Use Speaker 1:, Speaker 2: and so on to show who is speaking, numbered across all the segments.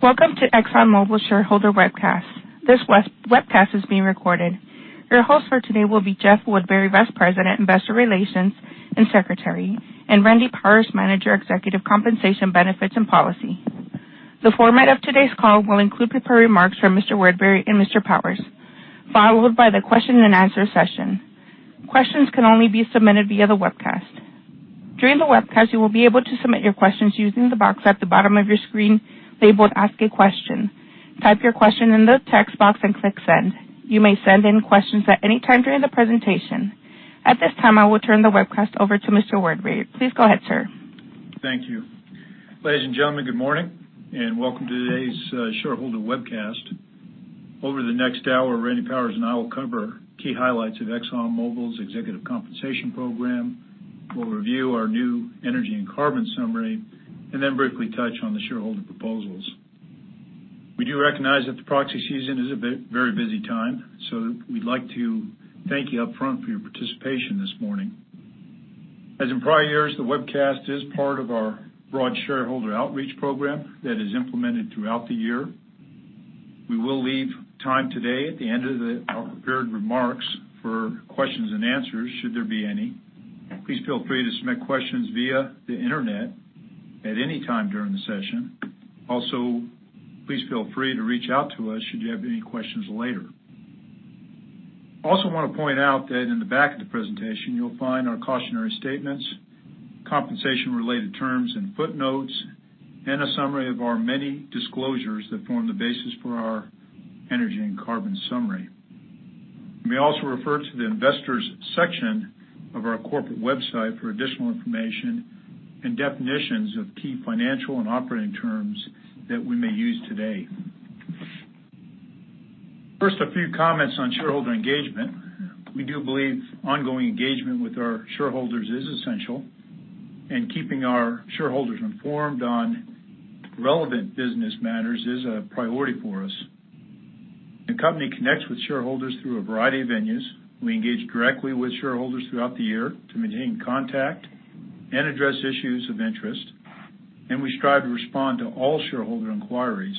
Speaker 1: Welcome to ExxonMobil shareholder webcast. This webcast is being recorded. Your host for today will be Jeff Woodbury, Vice President, Investor Relations and Secretary, and Randy Powers, Manager, Executive Compensation Benefits and Policy. The format of today's call will include prepared remarks from Mr. Woodbury and Mr. Powers, followed by the question and answer session. Questions can only be submitted via the webcast. During the webcast, you will be able to submit your questions using the box at the bottom of your screen labeled Ask a Question. Type your question in the text box and click Send. You may send in questions at any time during the presentation. At this time, I will turn the webcast over to Mr. Woodbury. Please go ahead, sir.
Speaker 2: Thank you. Ladies and gentlemen, good morning and welcome to today's shareholder webcast. Over the next hour, Randy Powers and I will cover key highlights of ExxonMobil's executive compensation program, we will review our new Energy and Carbon Summary, then briefly touch on the shareholder proposals. We do recognize that the proxy season is a very busy time, we would like to thank you up front for your participation this morning. As in prior years, the webcast is part of our broad shareholder outreach program that is implemented throughout the year. We will leave time today at the end of our prepared remarks for questions and answers, should there be any. Please feel free to submit questions via the internet at any time during the session. Please feel free to reach out to us should you have any questions later. I also want to point out that in the back of the presentation, you will find our cautionary statements, compensation-related terms and footnotes, and a summary of our many disclosures that form the basis for our Energy and Carbon Summary. You may also refer to the investors section of our corporate website for additional information and definitions of key financial and operating terms that we may use today. First, a few comments on shareholder engagement. We do believe ongoing engagement with our shareholders is essential, keeping our shareholders informed on relevant business matters is a priority for us. The company connects with shareholders through a variety of venues. We engage directly with shareholders throughout the year to maintain contact and address issues of interest, we strive to respond to all shareholder inquiries.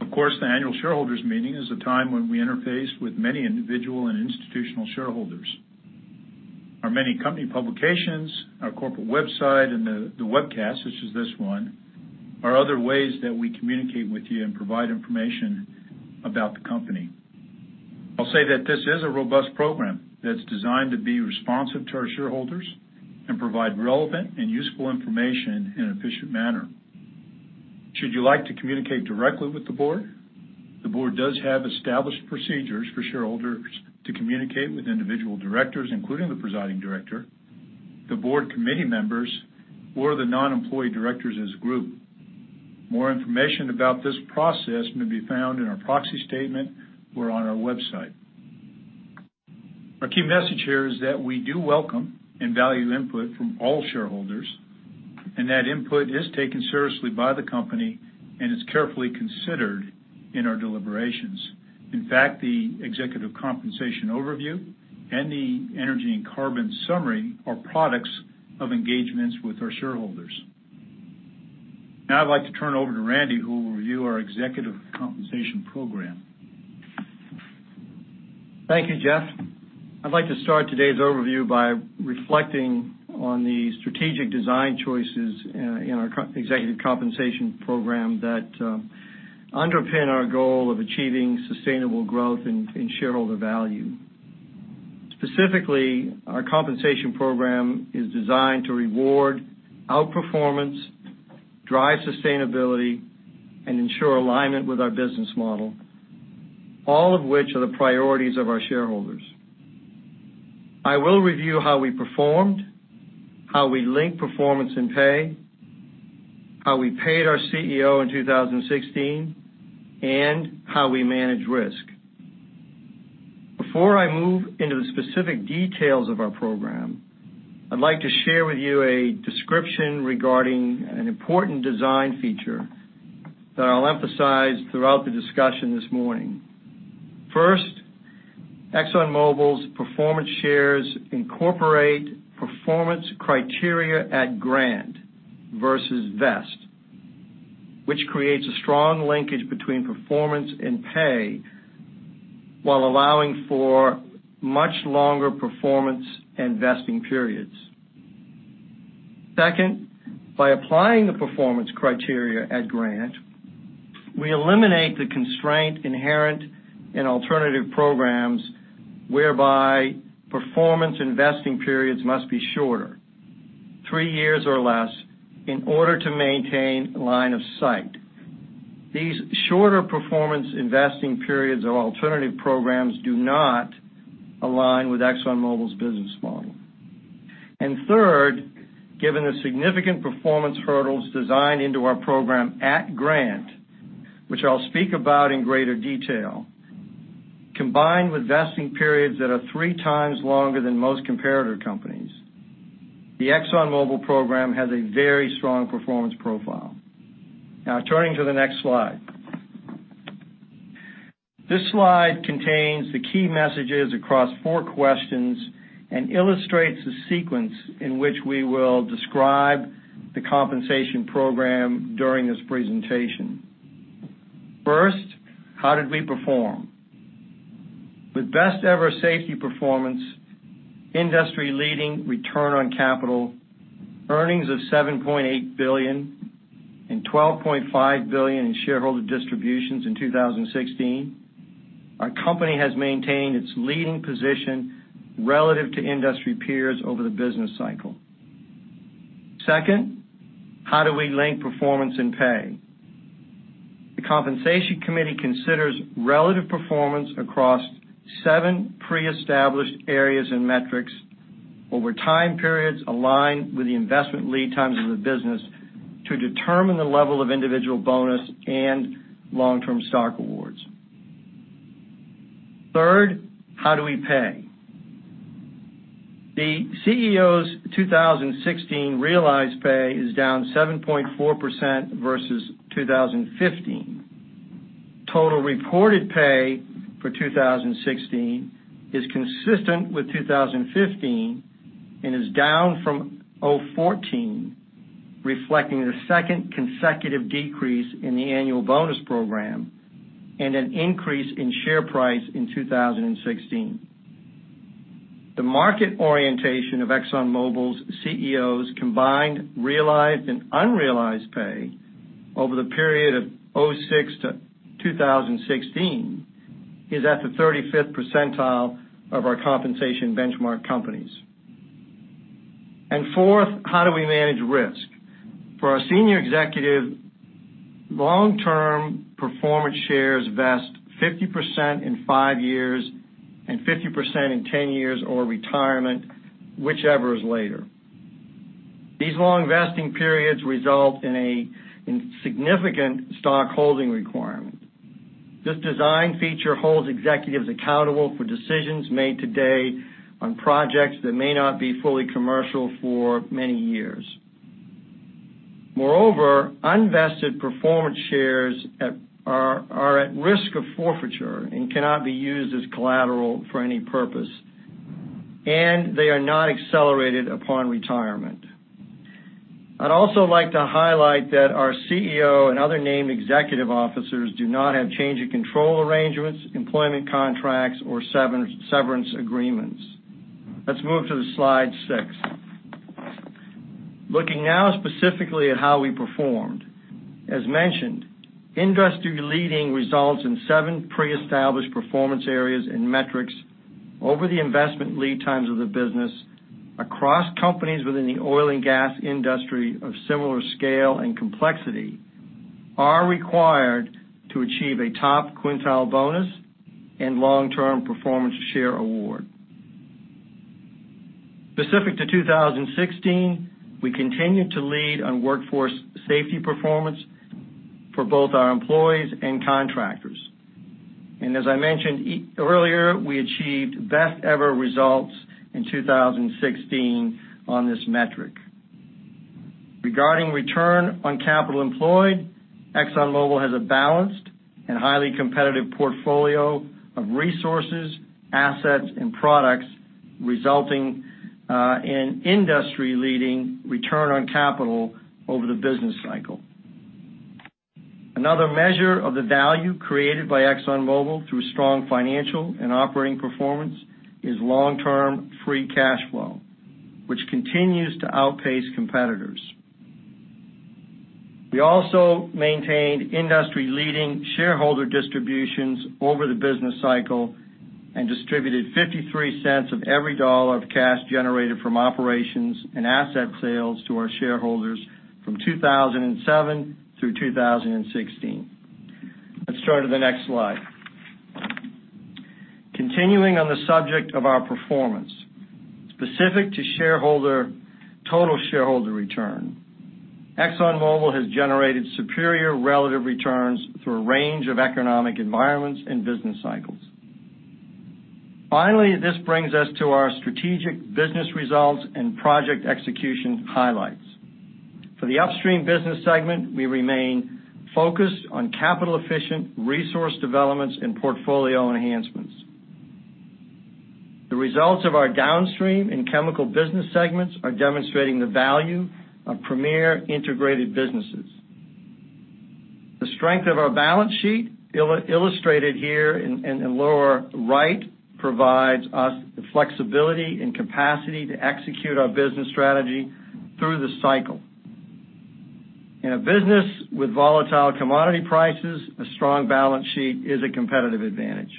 Speaker 2: Of course, the annual shareholders meeting is a time when we interface with many individual and institutional shareholders. Our many company publications, our corporate website, and the webcast, which is this one, are other ways that we communicate with you and provide information about the company. I will say that this is a robust program that is designed to be responsive to our shareholders and provide relevant and useful information in an efficient manner. Should you like to communicate directly with the board, the board does have established procedures for shareholders to communicate with individual directors, including the presiding director, the board committee members, or the non-employee directors as a group. More information about this process may be found in our proxy statement or on our website. Our key message here is that we do welcome and value input from all shareholders, that input is taken seriously by the company and is carefully considered in our deliberations. In fact, the executive compensation overview and the energy and carbon summary are products of engagements with our shareholders. I'd like to turn over to Randy, who will review our executive compensation program.
Speaker 3: Thank you, Jeff. I'd like to start today's overview by reflecting on the strategic design choices in our executive compensation program that underpin our goal of achieving sustainable growth in shareholder value. Specifically, our compensation program is designed to reward outperformance, drive sustainability, and ensure alignment with our business model, all of which are the priorities of our shareholders. I will review how we performed, how we link performance and pay, how we paid our CEO in 2016, and how we manage risk. Before I move into the specific details of our program, I'd like to share with you a description regarding an important design feature that I'll emphasize throughout the discussion this morning. First, ExxonMobil's performance shares incorporate performance criteria at grant versus vest, which creates a strong linkage between performance and pay while allowing for much longer performance and vesting periods. Second, by applying the performance criteria at grant, we eliminate the constraint inherent in alternative programs whereby performance and vesting periods must be shorter, three years or less, in order to maintain line of sight. These shorter performance and vesting periods of alternative programs do not align with ExxonMobil's business model. Third, given the significant performance hurdles designed into our program at grant, which I'll speak about in greater detail, combined with vesting periods that are three times longer than most comparator companies, the ExxonMobil program has a very strong performance profile. Turning to the next slide. This slide contains the key messages across four questions and illustrates the sequence in which we will describe the compensation program during this presentation. First, how did we perform? With best ever safety performance, industry-leading Return on Capital, earnings of $7.8 billion and $12.5 billion in shareholder distributions in 2016, our company has maintained its leading position relative to industry peers over the business cycle. Second, how do we link performance and pay? The Compensation Committee considers relative performance across seven pre-established areas and metrics over time periods aligned with the investment lead times of the business to determine the level of individual bonus and long-term stock awards. Third, how do we pay? The CEO's 2016 realized pay is down 7.4% versus 2015. Total reported pay for 2016 is consistent with 2015 and is down from 2014, reflecting the second consecutive decrease in the annual bonus program and an increase in share price in 2016. The market orientation of ExxonMobil's CEO's combined realized and unrealized pay over the period of 2006 to 2016 is at the 35th percentile of our Compensation Committee benchmark companies. Fourth, how do we manage risk? For our senior executive, long-term performance shares vest 50% in five years and 50% in 10 years or retirement, whichever is later. These long vesting periods result in a significant stock holding requirement. This design feature holds executives accountable for decisions made today on projects that may not be fully commercial for many years. Moreover, unvested performance shares are at risk of forfeiture and cannot be used as collateral for any purpose, and they are not accelerated upon retirement. I'd also like to highlight that our CEO and other named executive officers do not have change-of-control arrangements, employment contracts, or severance agreements. Let's move to slide six. Looking now specifically at how we performed. As mentioned, industry-leading results in seven pre-established performance areas and metrics over the investment lead times of the business across companies within the oil and gas industry of similar scale and complexity are required to achieve a top quintile bonus and long-term performance share award. Specific to 2016, we continued to lead on workforce safety performance for both our employees and contractors. As I mentioned earlier, we achieved best ever results in 2016 on this metric. Regarding Return on Capital Employed, ExxonMobil has a balanced and highly competitive portfolio of resources, assets, and products, resulting in industry-leading return on capital over the business cycle. Another measure of the value created by ExxonMobil through strong financial and operating performance is long-term free cash flow, which continues to outpace competitors. We also maintained industry-leading shareholder distributions over the business cycle and distributed $0.53 of every dollar of cash generated from operations and asset sales to our shareholders from 2007 through 2016. Let's turn to the next slide. Continuing on the subject of our performance. Specific to Total Shareholder Return, ExxonMobil has generated superior relative returns through a range of economic environments and business cycles. Finally, this brings us to our strategic business results and project execution highlights. For the Upstream business segment, we remain focused on capital-efficient resource developments and portfolio enhancements. The results of our Downstream and Chemical business segments are demonstrating the value of premier integrated businesses. The strength of our balance sheet, illustrated here in the lower right, provides us the flexibility and capacity to execute our business strategy through the cycle. In a business with volatile commodity prices, a strong balance sheet is a competitive advantage.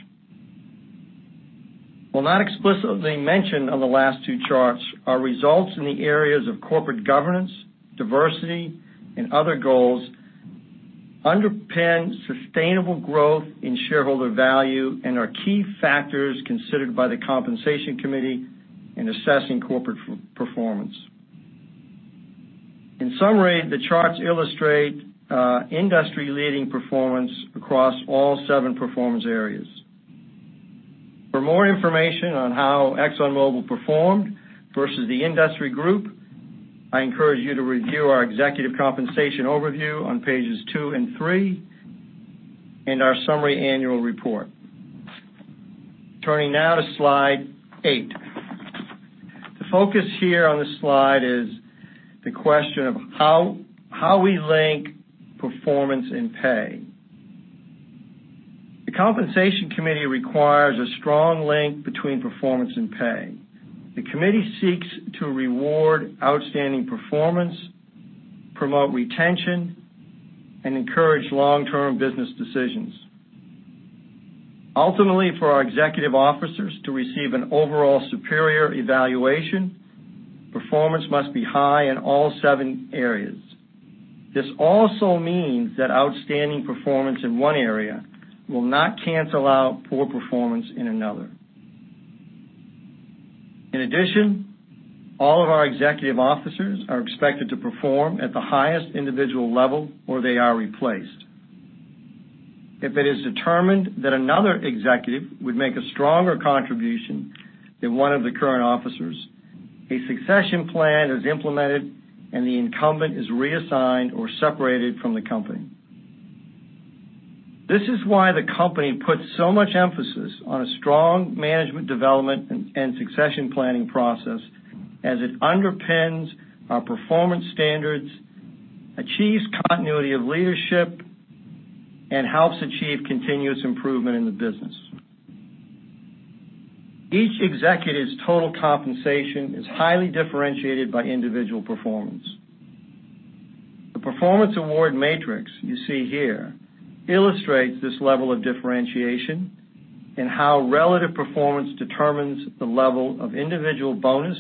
Speaker 3: While not explicitly mentioned on the last two charts, our results in the areas of corporate governance, diversity, and other goals underpin sustainable growth in shareholder value and are key factors considered by the Compensation Committee in assessing corporate performance. In summary, the charts illustrate industry-leading performance across all seven performance areas. For more information on how ExxonMobil performed versus the industry group, I encourage you to review our executive compensation overview on pages two and three in our summary annual report. Turning now to slide eight. The focus here on this slide is the question of how we link performance and pay. The Compensation Committee requires a strong link between performance and pay. The committee seeks to reward outstanding performance, promote retention, and encourage long-term business decisions. Ultimately, for our executive officers to receive an overall superior evaluation, performance must be high in all seven areas. This also means that outstanding performance in one area will not cancel out poor performance in another. In addition, all of our executive officers are expected to perform at the highest individual level, or they are replaced. If it is determined that another executive would make a stronger contribution than one of the current officers, a succession plan is implemented, and the incumbent is reassigned or separated from the company. This is why the company puts so much emphasis on a strong management development and succession planning process as it underpins our performance standards, achieves continuity of leadership, and helps achieve continuous improvement in the business. Each executive's total compensation is highly differentiated by individual performance. The performance award matrix you see here illustrates this level of differentiation and how relative performance determines the level of individual bonus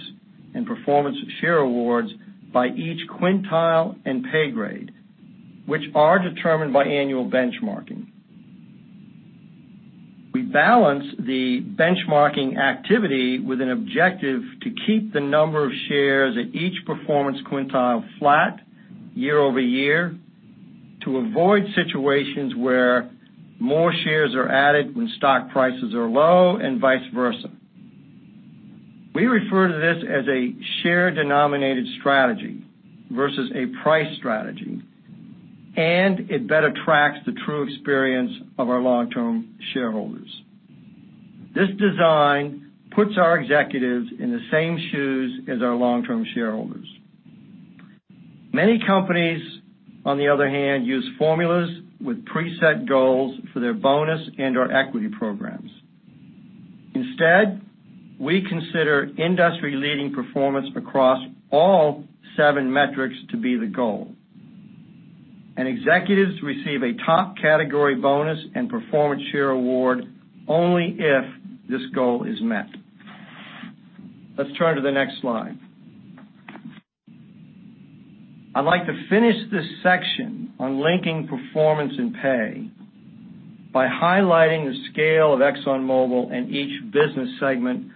Speaker 3: and performance share awards by each quintile and pay grade, which are determined by annual benchmarking. We balance the benchmarking activity with an objective to keep the number of shares at each performance quintile flat year-over-year to avoid situations where more shares are added when stock prices are low and vice versa. We refer to this as a share-denominated strategy versus a price strategy, and it better tracks the true experience of our long-term shareholders. This design puts our executives in the same shoes as our long-term shareholders. Many companies, on the other hand, use formulas with preset goals for their bonus and/or equity programs. Instead, we consider industry-leading performance across all seven metrics to be the goal, and executives receive a top category bonus and performance share award only if this goal is met. Let's turn to the next slide. I'd like to finish this section on linking performance and pay by highlighting the scale of ExxonMobil and each business segment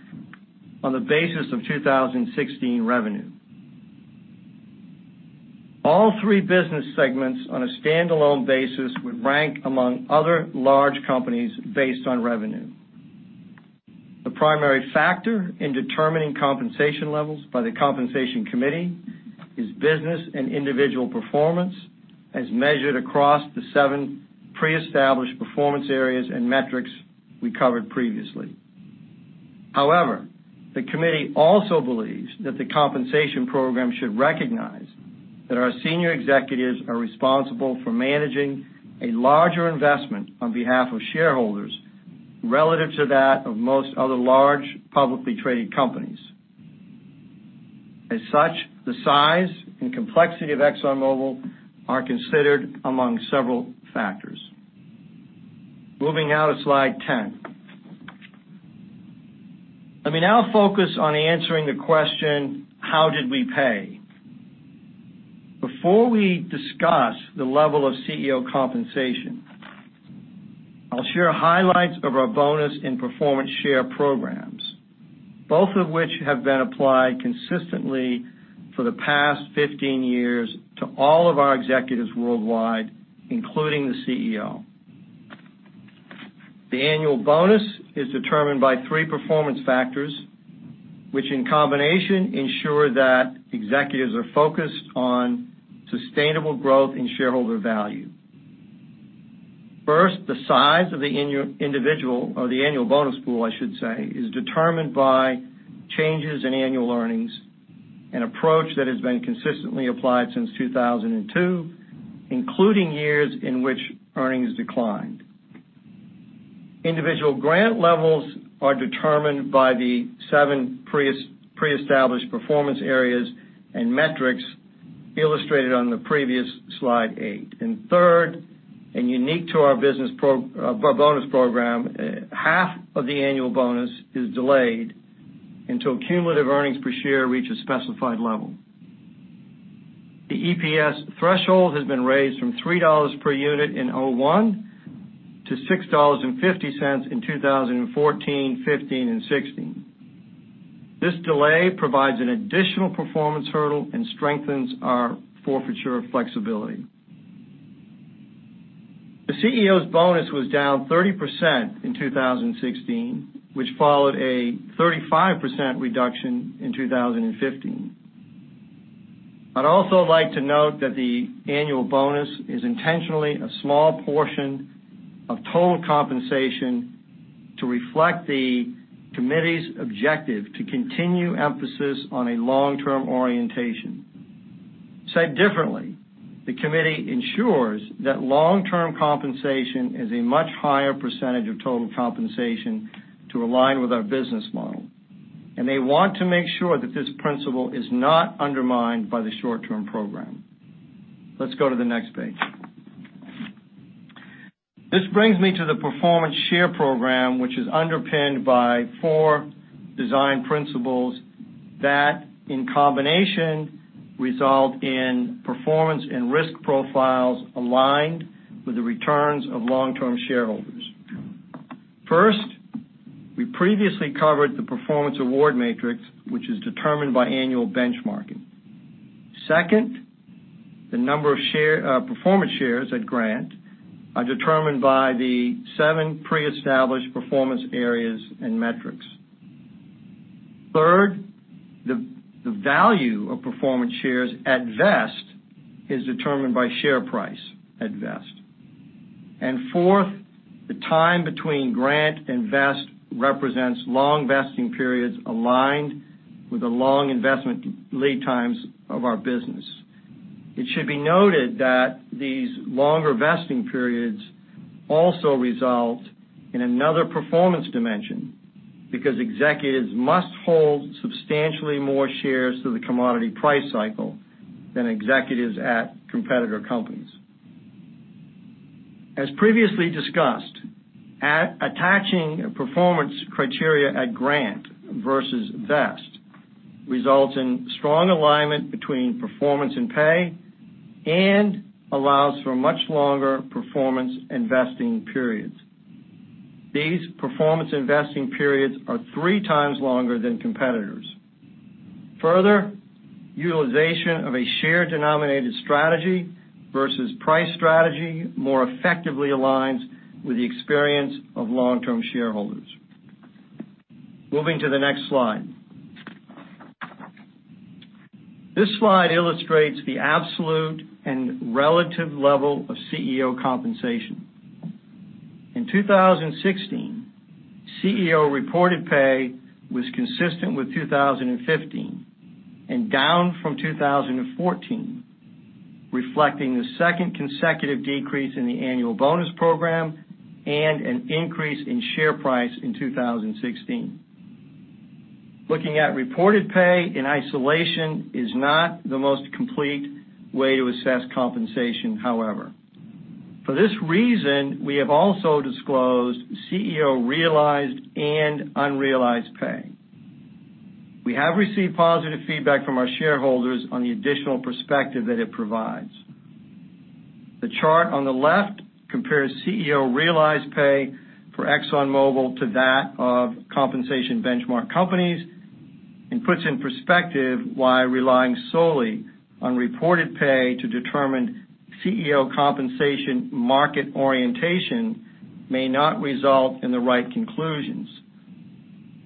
Speaker 3: on the basis of 2016 revenue. All three business segments on a standalone basis would rank among other large companies based on revenue. The primary factor in determining compensation levels by the Compensation Committee is business and individual performance, as measured across the seven pre-established performance areas and metrics we covered previously. However, the committee also believes that the compensation program should recognize that our senior executives are responsible for managing a larger investment on behalf of shareholders relative to that of most other large publicly traded companies. As such, the size and complexity of ExxonMobil are considered among several factors. Moving now to slide 10. Let me now focus on answering the question: how did we pay? Before we discuss the level of CEO compensation, I'll share highlights of our bonus and performance share programs, both of which have been applied consistently for the past 15 years to all of our executives worldwide, including the CEO. The annual bonus is determined by three performance factors, which in combination ensure that executives are focused on sustainable growth in shareholder value. First, the size of the individual or the annual bonus pool, I should say, is determined by changes in annual earnings, an approach that has been consistently applied since 2002, including years in which earnings declined. Individual grant levels are determined by the seven pre-established performance areas and metrics illustrated on the previous slide eight. Third, and unique to our bonus program, half of the annual bonus is delayed until cumulative earnings per share reach a specified level. The EPS threshold has been raised from $3 per unit in 2001 to $6.50 in 2014, 2015, and 2016. This delay provides an additional performance hurdle and strengthens our forfeiture flexibility. The CEO's bonus was down 30% in 2016, which followed a 35% reduction in 2015. I'd also like to note that the annual bonus is intentionally a small portion of total compensation to reflect the committee's objective to continue emphasis on a long-term orientation. Said differently, the committee ensures that long-term compensation is a much higher percentage of total compensation to align with our business model, and they want to make sure that this principle is not undermined by the short-term program. Let's go to the next page. This brings me to the performance share program, which is underpinned by four design principles that, in combination, result in performance and risk profiles aligned with the returns of long-term shareholders. First, we previously covered the performance award matrix, which is determined by annual benchmarking. Second, the number of performance shares at grant are determined by the seven pre-established performance areas and metrics. Third, the value of performance shares at vest is determined by share price at vest. Fourth, the time between grant and vest represents long vesting periods aligned with the long investment lead times of our business. It should be noted that these longer vesting periods also result in another performance dimension because executives must hold substantially more shares through the commodity price cycle than executives at competitor companies. As previously discussed, attaching performance criteria at grant versus vest results in strong alignment between performance and pay and allows for much longer performance and vesting periods. These performance and vesting periods are three times longer than competitors. Further, utilization of a share-denominated strategy versus price strategy more effectively aligns with the experience of long-term shareholders. Moving to the next slide. This slide illustrates the absolute and relative level of CEO compensation. In 2016, CEO reported pay was consistent with 2015 and down from 2014, reflecting the second consecutive decrease in the annual bonus program and an increase in share price in 2016. Looking at reported pay in isolation is not the most complete way to assess compensation, however. For this reason, we have also disclosed CEO realized and unrealized pay. We have received positive feedback from our shareholders on the additional perspective that it provides. The chart on the left compares CEO realized pay for ExxonMobil to that of compensation benchmark companies and puts in perspective why relying solely on reported pay to determine CEO compensation market orientation may not result in the right conclusions.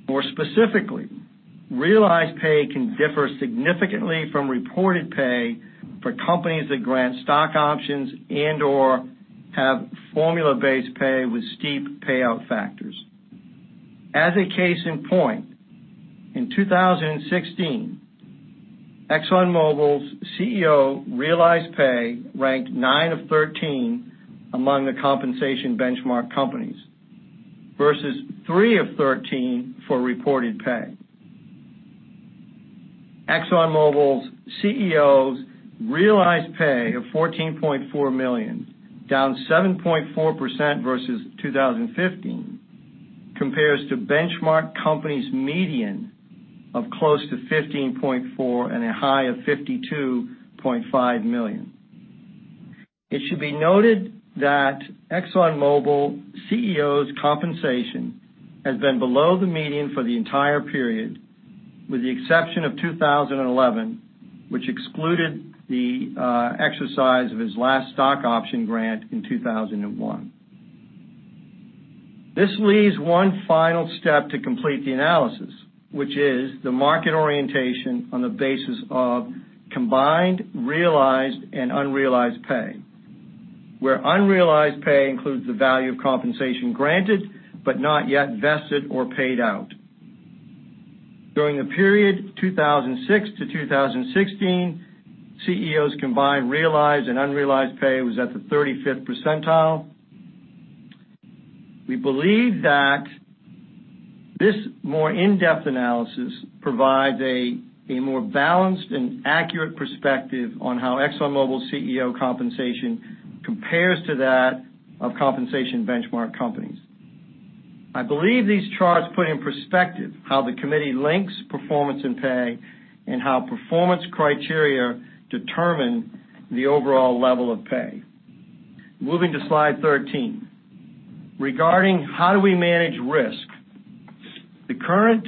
Speaker 3: More specifically, realized pay can differ significantly from reported pay for companies that grant stock options and/or have formula-based pay with steep payout factors. As a case in point, in 2016, ExxonMobil's CEO realized pay ranked nine of 13 among the compensation benchmark companies versus three of 13 for reported pay. ExxonMobil's CEO's realized pay of $14.4 million, down 7.4% versus 2015, compares to benchmark companies' median of close to $15.4 million and a high of $52.5 million. It should be noted that ExxonMobil CEO's compensation has been below the median for the entire period, with the exception of 2011, which excluded the exercise of his last stock option grant in 2001. This leaves one final step to complete the analysis, which is the market orientation on the basis of combined, realized, and unrealized pay, where unrealized pay includes the value of compensation granted but not yet vested or paid out. During the period 2006 to 2016, CEO's combined, realized, and unrealized pay was at the 35th percentile. We believe that this more in-depth analysis provides a more balanced and accurate perspective on how ExxonMobil's CEO compensation compares to that of compensation benchmark companies. I believe these charts put in perspective how the Compensation Committee links performance and pay and how performance criteria determine the overall level of pay. Moving to slide 13. Regarding how do we manage risk The current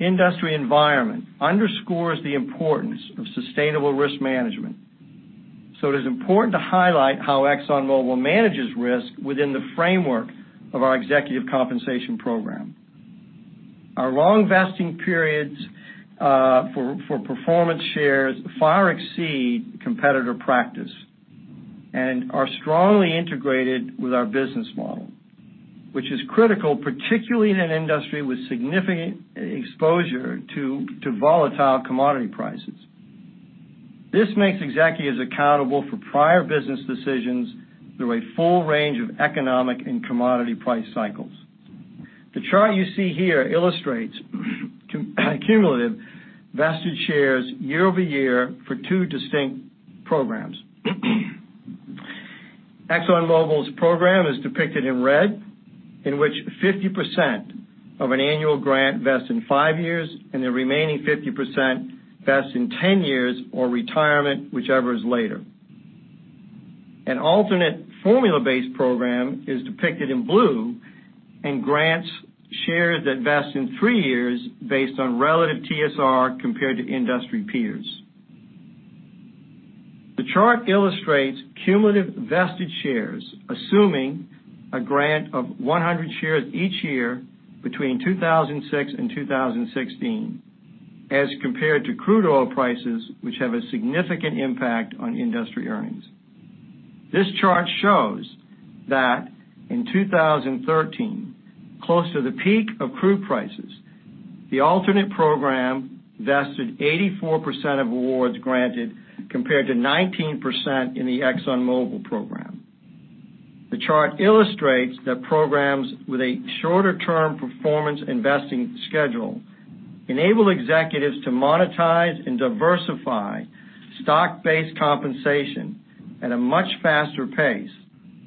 Speaker 3: industry environment underscores the importance of sustainable risk management. It is important to highlight how ExxonMobil manages risk within the framework of our executive compensation program. Our long vesting periods for performance shares far exceed competitor practice and are strongly integrated with our business model, which is critical, particularly in an industry with significant exposure to volatile commodity prices. This makes executives accountable for prior business decisions through a full range of economic and commodity price cycles. The chart you see here illustrates cumulative vested shares year over year for two distinct programs. ExxonMobil's program is depicted in red, in which 50% of an annual grant vests in five years and the remaining 50% vests in 10 years or retirement, whichever is later. An alternate formula-based program is depicted in blue and grants shares that vest in three years based on relative TSR compared to industry peers. The chart illustrates cumulative vested shares, assuming a grant of 100 shares each year between 2006 and 2016, as compared to crude oil prices, which have a significant impact on industry earnings. This chart shows that in 2013, close to the peak of crude prices, the alternate program vested 84% of awards granted compared to 19% in the ExxonMobil program. The chart illustrates that programs with a shorter-term performance and vesting schedule enable executives to monetize and diversify stock-based compensation at a much faster pace,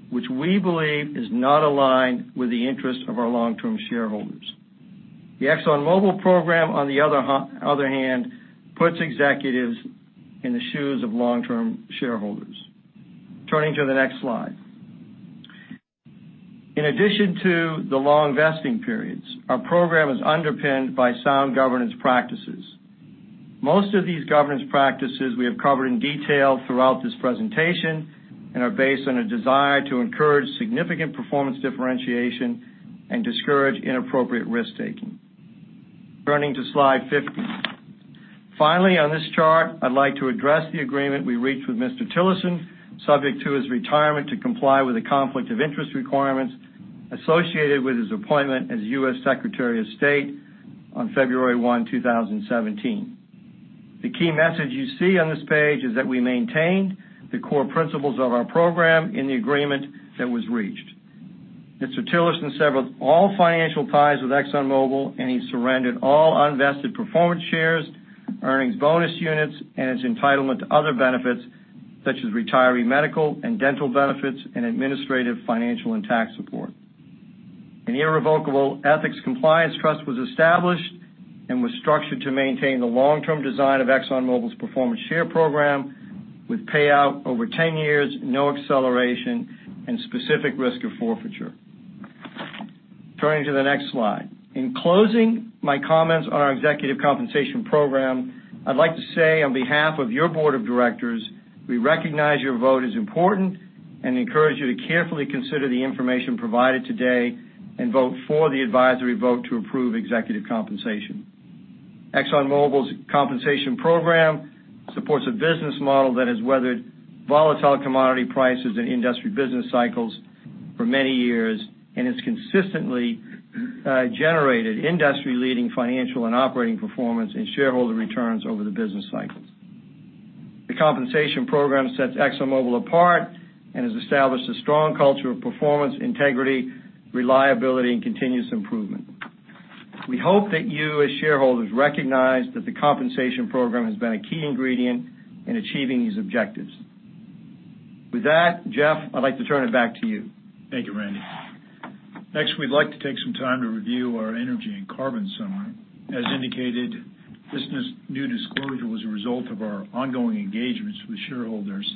Speaker 3: which we believe is not aligned with the interest of our long-term shareholders. The ExxonMobil program, on the other hand, puts executives in the shoes of long-term shareholders. Turning to the next slide. In addition to the long vesting periods, our program is underpinned by sound governance practices. Most of these governance practices we have covered in detail throughout this presentation and are based on a desire to encourage significant performance differentiation and discourage inappropriate risk-taking. Turning to slide 15. Finally, on this chart, I'd like to address the agreement we reached with Mr. Tillerson, subject to his retirement, to comply with the conflict of interest requirements associated with his appointment as U.S. Secretary of State on February 1, 2017. The key message you see on this page is that we maintained the core principles of our program in the agreement that was reached. Mr. Tillerson severed all financial ties with ExxonMobil, and he surrendered all unvested performance shares, earnings bonus units, and his entitlement to other benefits, such as retiree medical and dental benefits and administrative, financial, and tax support. An irrevocable Ethics-Compliance Trust was established and was structured to maintain the long-term design of ExxonMobil's performance share program with payout over 10 years, no acceleration, and specific risk of forfeiture. Turning to the next slide. In closing my comments on our executive compensation program, I'd like to say on behalf of your Board of Directors, we recognize your vote is important and encourage you to carefully consider the information provided today and vote for the advisory vote to approve executive compensation. ExxonMobil's compensation program supports a business model that has weathered volatile commodity prices and industry business cycles for many years and has consistently generated industry-leading financial and operating performance and shareholder returns over the business cycles. The compensation program sets ExxonMobil apart and has established a strong culture of performance, integrity, reliability, and continuous improvement. We hope that you as shareholders recognize that the compensation program has been a key ingredient in achieving these objectives. With that, Jeff, I'd like to turn it back to you.
Speaker 2: Thank you, Randy. We'd like to take some time to review our energy and carbon summary. As indicated, this new disclosure was a result of our ongoing engagements with shareholders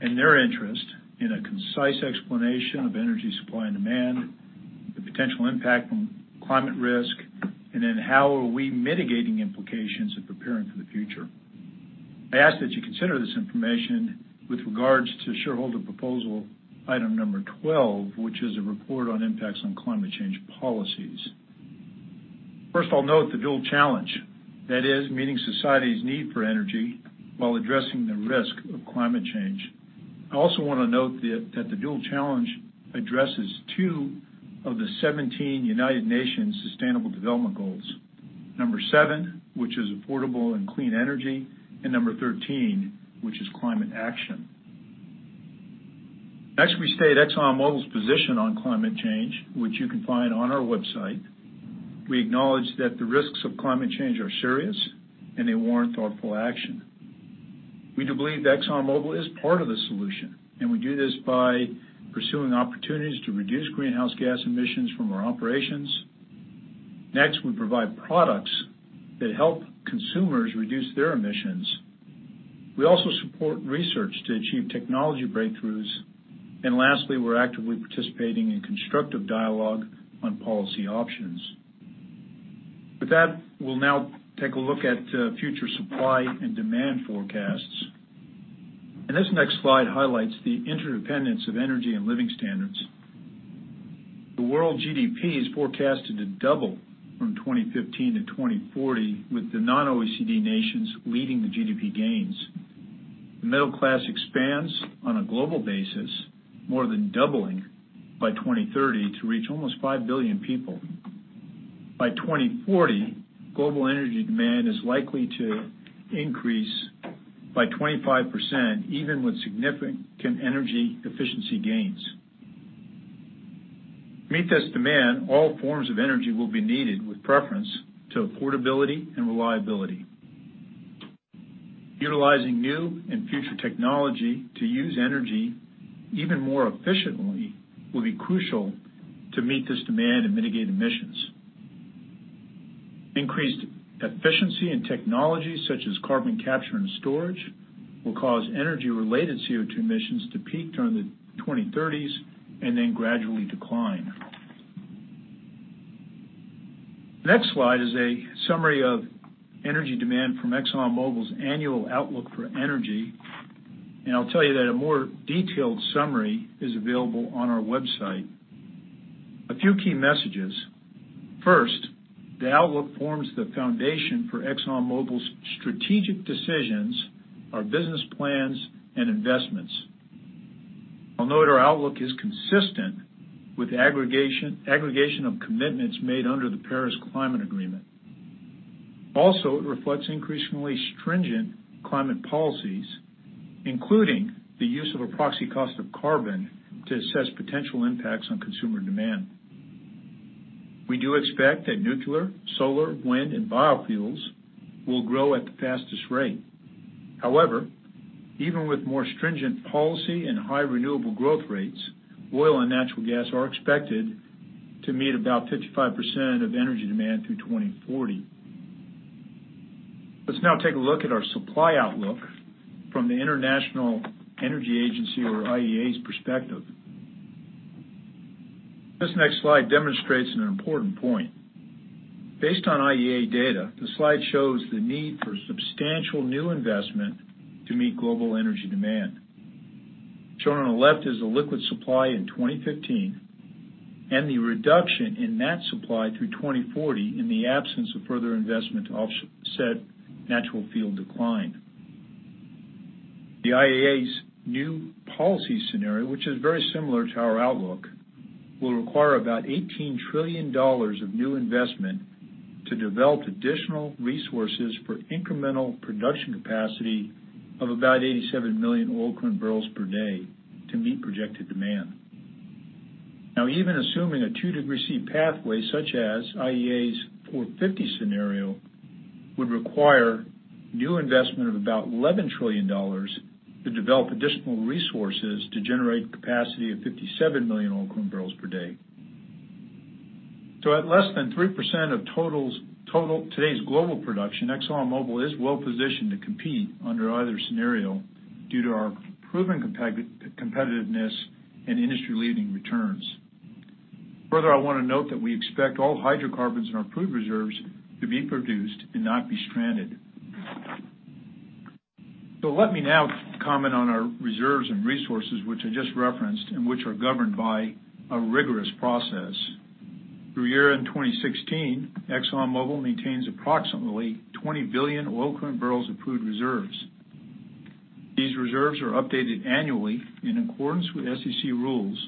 Speaker 2: and their interest in a concise explanation of energy supply and demand, the potential impact from climate risk, and then how are we mitigating implications and preparing for the future. I ask that you consider this information with regards to shareholder proposal item number 12, which is a report on impacts on climate change policies. First of all, note the dual challenge, that is meeting society's need for energy while addressing the risk of climate change. I also want to note that the dual challenge addresses 17 of the United Nations Sustainable Development Goals. Number 7, which is affordable and clean energy, and Number 13, which is climate action. We state ExxonMobil's position on climate change, which you can find on our website. We acknowledge that the risks of climate change are serious, and they warrant thoughtful action. We do believe that ExxonMobil is part of the solution, and we do this by pursuing opportunities to reduce greenhouse gas emissions from our operations. We provide products that help consumers reduce their emissions. We also support research to achieve technology breakthroughs. Lastly, we're actively participating in constructive dialogue on policy options. With that, we'll now take a look at future supply and demand forecasts. This next slide highlights the interdependence of energy and living standards. The world GDP is forecasted to double from 2015 to 2040, with the non-OECD nations leading the GDP gains. The middle class expands on a global basis, more than doubling by 2030 to reach almost 5 billion people. By 2040, global energy demand is likely to increase by 25%, even with significant energy efficiency gains. To meet this demand, all forms of energy will be needed, with preference to affordability and reliability. Utilizing new and future technology to use energy even more efficiently will be crucial to meet this demand and mitigate emissions. Increased efficiency in technologies such as carbon capture and storage will cause energy-related CO2 emissions to peak during the 2030s and then gradually decline. Next slide is a summary of energy demand from ExxonMobil's annual Outlook for Energy. I'll tell you that a more detailed summary is available on our website. A few key messages. First, the Outlook forms the foundation for ExxonMobil's strategic decisions, our business plans, and investments. I'll note our outlook is consistent with aggregation of commitments made under the Paris Climate Agreement. It reflects increasingly stringent climate policies, including the use of a proxy cost of carbon to assess potential impacts on consumer demand. We do expect that nuclear, solar, wind, and biofuels will grow at the fastest rate. Even with more stringent policy and high renewable growth rates, oil and natural gas are expected to meet about 55% of energy demand through 2040. Let's now take a look at our supply outlook from the International Energy Agency, or IEA's perspective. This next slide demonstrates an important point. Based on IEA data, the slide shows the need for substantial new investment to meet global energy demand. Shown on the left is the liquid supply in 2015 and the reduction in that supply through 2040 in the absence of further investment to offset natural field decline. The IEA's New Policies Scenario, which is very similar to our outlook, will require about $18 trillion of new investment to develop additional resources for incremental production capacity of about 87 million oil equivalent barrels per day to meet projected demand. Even assuming a two-degree C pathway such as IEA's 450 Scenario, would require new investment of about $11 trillion to develop additional resources to generate capacity of 57 million oil equivalent barrels per day. At less than 3% of today's global production, ExxonMobil is well positioned to compete under either scenario due to our proven competitiveness and industry-leading returns. Further, I want to note that we expect all hydrocarbons in our proved reserves to be produced and not be stranded. Let me now comment on our reserves and resources, which I just referenced and which are governed by a rigorous process. Through year-end 2016, ExxonMobil maintains approximately 20 billion oil equivalent barrels of proved reserves. These reserves are updated annually in accordance with SEC rules,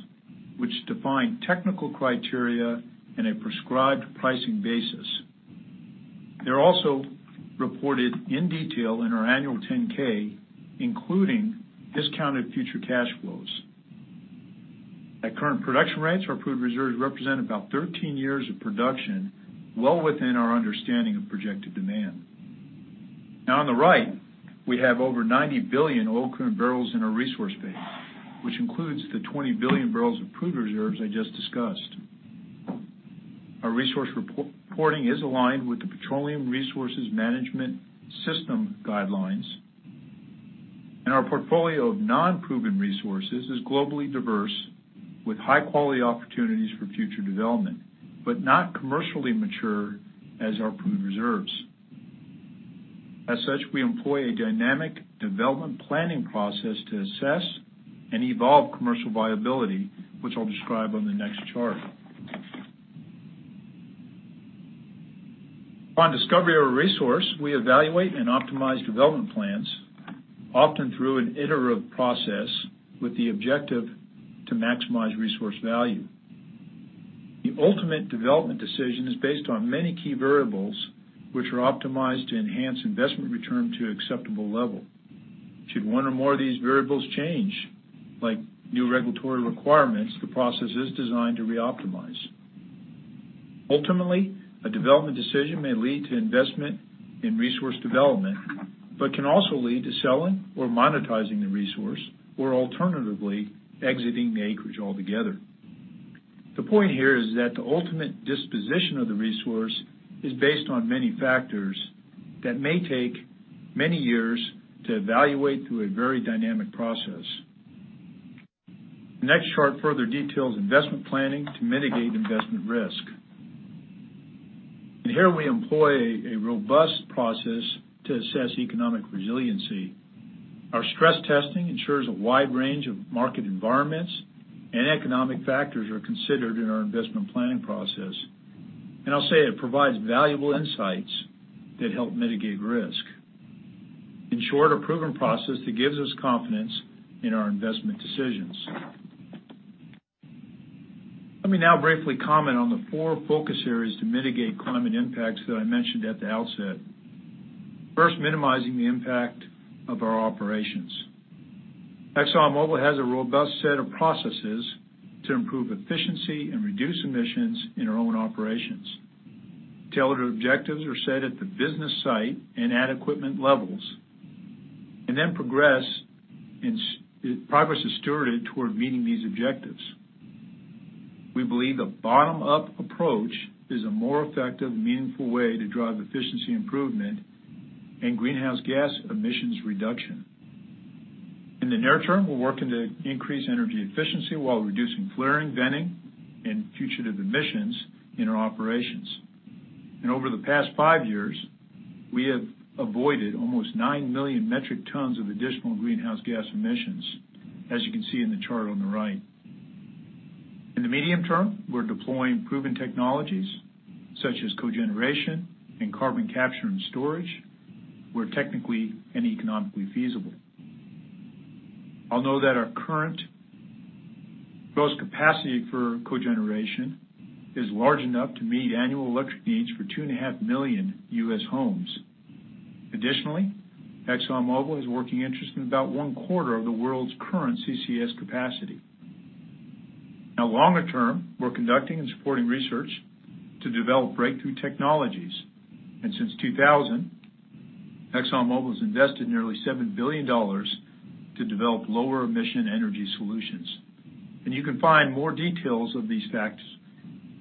Speaker 2: which define technical criteria and a prescribed pricing basis. They're also reported in detail in our annual 10-K, including discounted future cash flows. At current production rates, our proved reserves represent about 13 years of production, well within our understanding of projected demand. On the right, we have over 90 billion oil equivalent barrels in our resource base, which includes the 20 billion barrels of proved reserves I just discussed. Our resource reporting is aligned with the Petroleum Resources Management System guidelines. Our portfolio of non-proven resources is globally diverse with high-quality opportunities for future development, but not commercially mature as our proved reserves. As such, we employ a dynamic development planning process to assess and evolve commercial viability, which I'll describe on the next chart. On discovery of a resource, we evaluate and optimize development plans, often through an iterative process with the objective to maximize resource value. The ultimate development decision is based on many key variables, which are optimized to enhance investment return to an acceptable level. Should one or more of these variables change, like new regulatory requirements, the process is designed to re-optimize. Ultimately, a development decision may lead to investment in resource development, but can also lead to selling or monetizing the resource, or alternatively, exiting the acreage altogether. The point here is that the ultimate disposition of the resource is based on many factors that may take many years to evaluate through a very dynamic process. The next chart further details investment planning to mitigate investment risk. Here we employ a robust process to assess economic resiliency. Our stress testing ensures a wide range of market environments and economic factors are considered in our investment planning process. I'll say it provides valuable insights that help mitigate risk. In short, a proven process that gives us confidence in our investment decisions. Let me now briefly comment on the four focus areas to mitigate climate impacts that I mentioned at the outset. First, minimizing the impact of our operations. Exxon Mobil has a robust set of processes to improve efficiency and reduce emissions in our own operations. Tailored objectives are set at the business site and at equipment levels, and then progress is stewarded toward meeting these objectives. We believe the bottom-up approach is a more effective, meaningful way to drive efficiency improvement and greenhouse gas emissions reduction. In the near term, we're working to increase energy efficiency while reducing flaring, venting, and fugitive emissions in our operations. Over the past five years, we have avoided almost 9 million metric tons of additional greenhouse gas emissions, as you can see in the chart on the right. In the medium term, we're deploying proven technologies such as cogeneration and carbon capture and storage, where technically and economically feasible. I'll note that our current gross capacity for cogeneration is large enough to meet annual electric needs for 2.5 million U.S. homes. Additionally, Exxon Mobil has working interest in about one-quarter of the world's current CCS capacity. Longer term, we're conducting and supporting research to develop breakthrough technologies. Since 2000, Exxon Mobil has invested nearly $7 billion to develop lower emission energy solutions. You can find more details of these facts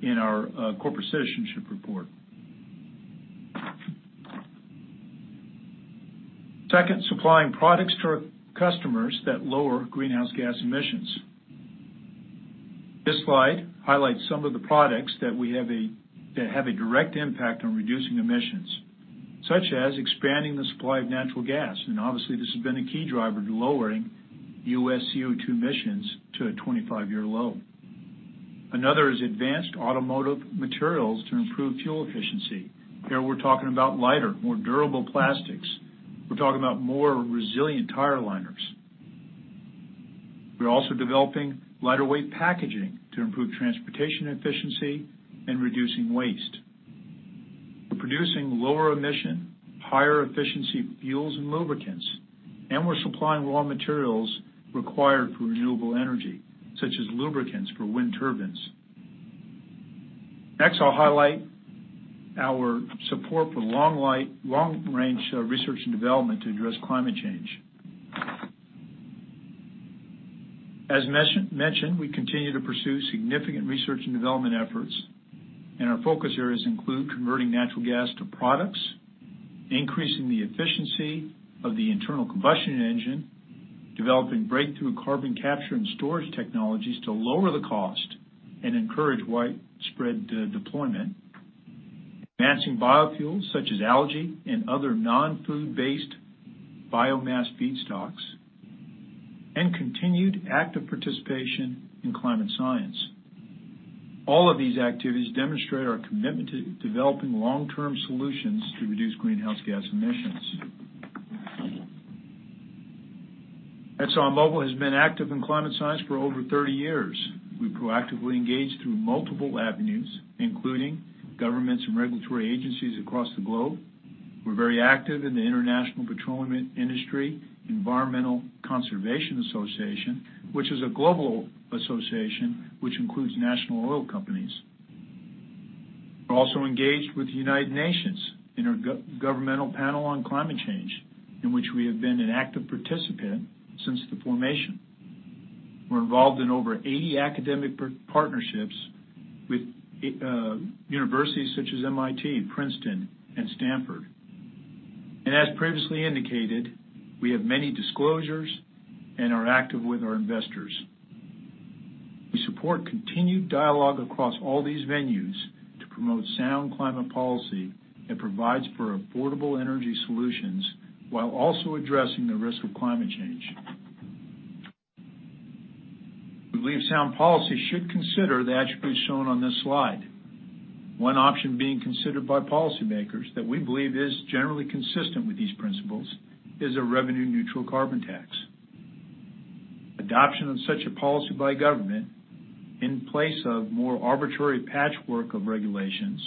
Speaker 2: in our Corporate Citizenship Report. Second, supplying products to our customers that lower greenhouse gas emissions. This slide highlights some of the products that have a direct impact on reducing emissions, such as expanding the supply of natural gas. Obviously, this has been a key driver to lowering U.S. CO2 emissions to a 25-year low. Another is advanced automotive materials to improve fuel efficiency. Here we're talking about lighter, more durable plastics. We're talking about more resilient tire liners. We're also developing lighter weight packaging to improve transportation efficiency and reducing waste. We're producing lower emission, higher efficiency fuels and lubricants. We're supplying raw materials required for renewable energy, such as lubricants for wind turbines. Next, I'll highlight our support for long-range research and development to address climate change. As mentioned, we continue to pursue significant research and development efforts. Our focus areas include converting natural gas to products, increasing the efficiency of the internal combustion engine, developing breakthrough carbon capture and storage technologies to lower the cost and encourage widespread deployment, advancing biofuels such as algae and other non-food based biomass feedstocks, and continued active participation in climate science. All of these activities demonstrate our commitment to developing long-term solutions to reduce greenhouse gas emissions. Exxon Mobil has been active in climate science for over 30 years. We proactively engage through multiple avenues, including governments and regulatory agencies across the globe. We're very active in the International Petroleum Industry Environmental Conservation Association, which is a global association which includes national oil companies. We're also engaged with the United Nations in Intergovernmental Panel on Climate Change, in which we have been an active participant since the formation. We're involved in over 80 academic partnerships with universities such as MIT, Princeton, and Stanford. As previously indicated, we have many disclosures and are active with our investors. We support continued dialogue across all these venues to promote sound climate policy that provides for affordable energy solutions while also addressing the risk of climate change. We believe sound policy should consider the attributes shown on this slide. One option being considered by policymakers that we believe is generally consistent with these principles is a revenue-neutral carbon tax. Adoption of such a policy by government, in place of more arbitrary patchwork of regulations,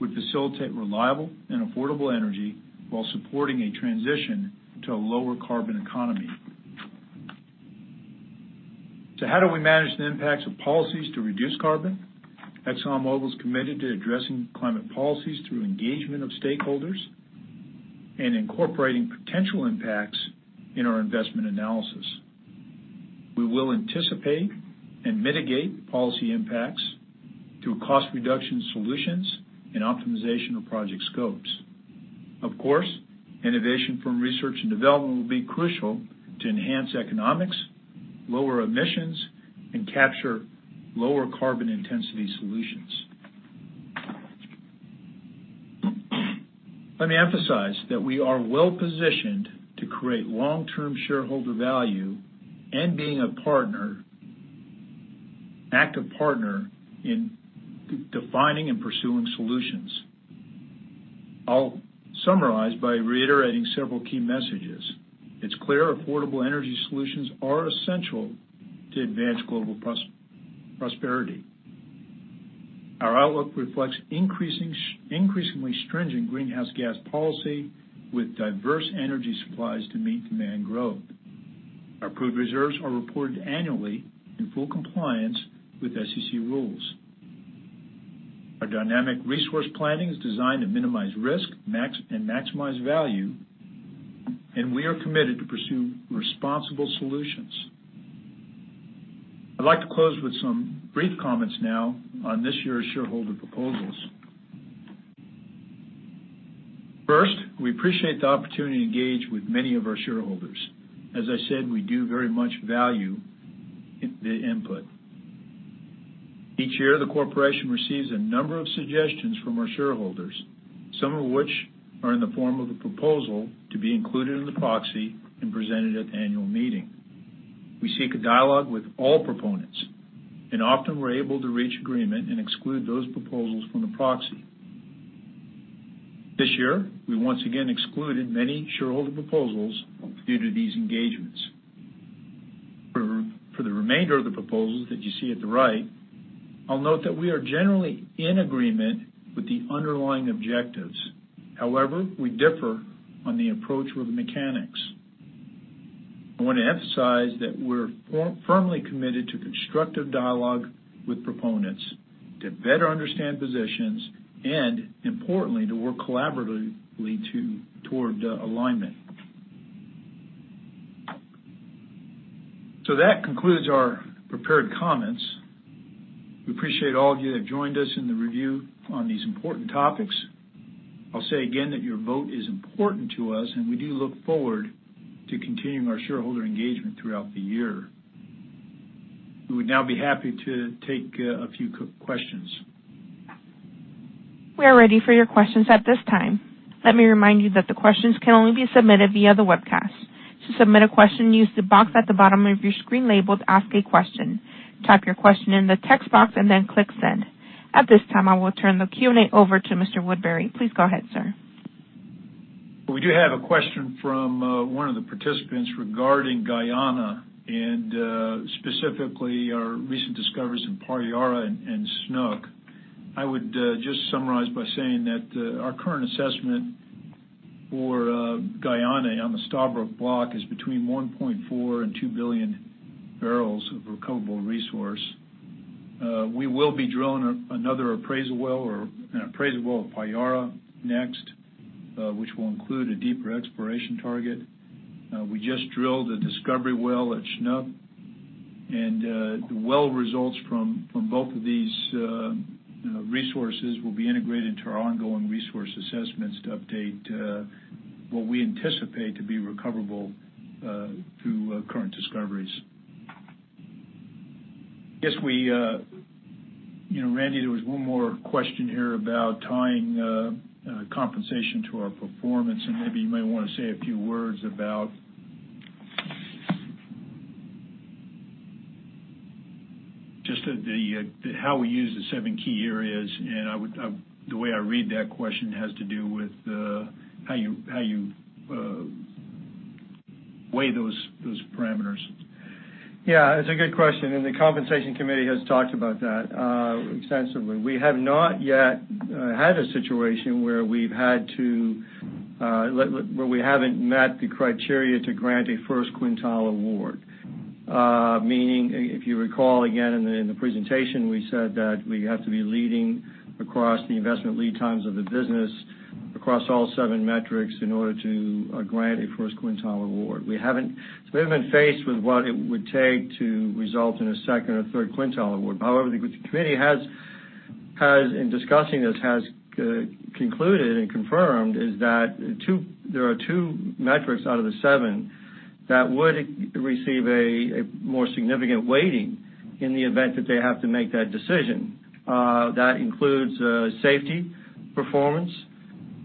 Speaker 2: would facilitate reliable and affordable energy while supporting a transition to a lower carbon economy. How do we manage the impacts of policies to reduce carbon? Exxon Mobil is committed to addressing climate policies through engagement of stakeholders. Incorporating potential impacts in our investment analysis. We will anticipate and mitigate policy impacts through cost reduction solutions and optimization of project scopes. Of course, innovation from research and development will be crucial to enhance economics, lower emissions, and capture lower carbon intensity solutions. Let me emphasize that we are well-positioned to create long-term shareholder value and being an active partner in defining and pursuing solutions. I'll summarize by reiterating several key messages. It's clear affordable energy solutions are essential to advance global prosperity. Our outlook reflects increasingly stringent greenhouse gas policy with diverse energy supplies to meet demand growth. Our proved reserves are reported annually in full compliance with SEC rules. Our dynamic resource planning is designed to minimize risk and maximize value. We are committed to pursue responsible solutions. I'd like to close with some brief comments now on this year's shareholder proposals. First, we appreciate the opportunity to engage with many of our shareholders. As I said, we do very much value the input. Each year, the corporation receives a number of suggestions from our shareholders, some of which are in the form of a proposal to be included in the proxy and presented at the annual meeting. We seek a dialogue with all proponents. Often we're able to reach agreement and exclude those proposals from the proxy. This year, we once again excluded many shareholder proposals due to these engagements. For the remainder of the proposals that you see at the right, I'll note that we are generally in agreement with the underlying objectives. However, we differ on the approach or the mechanics. I want to emphasize that we're firmly committed to constructive dialogue with proponents to better understand positions, and importantly, to work collaboratively toward alignment. That concludes our prepared comments. We appreciate all of you that joined us in the review on these important topics. I'll say again that your vote is important to us, and we do look forward to continuing our shareholder engagement throughout the year. We would now be happy to take a few questions.
Speaker 1: We are ready for your questions at this time. Let me remind you that the questions can only be submitted via the webcast. To submit a question, use the box at the bottom of your screen labeled Ask a Question. Type your question in the text box and then click Send. At this time, I will turn the Q&A over to Mr. Woodbury. Please go ahead, sir.
Speaker 2: We do have a question from one of the participants regarding Guyana and specifically our recent discoveries in Payara and Snoek. I would just summarize by saying that our current assessment for Guyana on the Stabroek Block is between 1.4 and 2 billion barrels of recoverable resource. We will be drilling another appraisal well at Payara next, which will include a deeper exploration target. The well results from both of these resources will be integrated into our ongoing resource assessments to update what we anticipate to be recoverable through current discoveries. I guess, Randy, there was one more question here about tying compensation to our performance. Maybe you might want to say a few words about just how we use the seven key areas. The way I read that question has to do with how you weigh those parameters.
Speaker 3: Yeah. It's a good question. The Compensation Committee has talked about that extensively. We have not yet had a situation where we haven't met the criteria to grant a first quintile award. Meaning, if you recall again in the presentation, we said that we have to be leading across the investment lead times of the business across all seven metrics in order to grant a first quintile award. We haven't faced with what it would take to result in a second or third quintile award. However, the committee in discussing this has concluded and confirmed is that there are two metrics out of the seven that would receive a more significant weighting in the event that they have to make that decision. That includes safety, performance,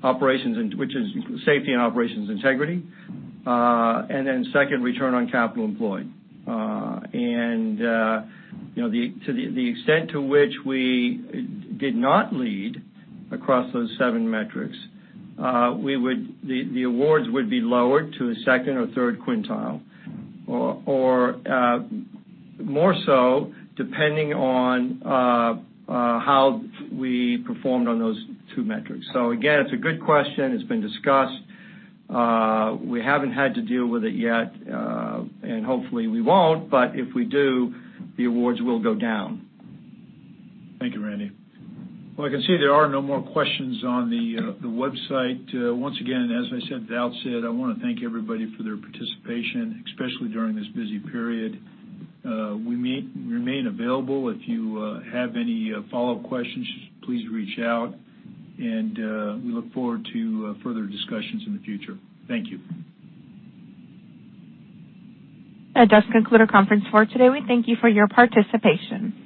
Speaker 3: which is safety and operations integrity, and then second, return on capital employed. To the extent to which we did not lead across those seven metrics, the awards would be lowered to a second or third quintile, or more so, depending on how we performed on those two metrics. Again, it's a good question. It's been discussed. We haven't had to deal with it yet, and hopefully, we won't, but if we do, the awards will go down.
Speaker 2: Thank you, Randy. I can see there are no more questions on the website. Once again, as I said, Val said, I want to thank everybody for their participation, especially during this busy period. We remain available. If you have any follow-up questions, please reach out. We look forward to further discussions in the future. Thank you.
Speaker 1: That does conclude our conference for today. We thank you for your participation.